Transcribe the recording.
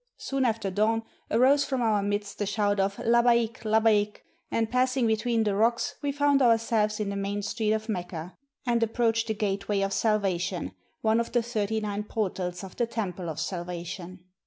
Soon after dawn arose from our midst the shout of " Labbaik ! Labbaik !" and passing between the rocks, we found our selves in the main street of Mecca, and approached the "Gateway of Salvation," one of the thirty nine portals of the "Temple of Salvation."